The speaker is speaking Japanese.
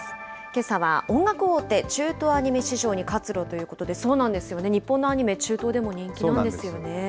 けさは音楽大手、中東アニメ市場に活路！ということで、そうなんですよね、日本のアニメ、中東でそうなんです。